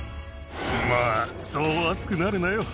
まあ、そう熱くなるなよ。